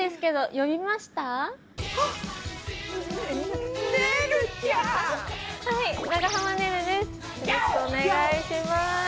よろしくお願いします。